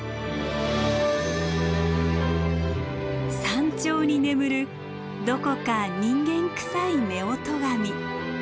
山頂に眠るどこか人間くさい夫婦神。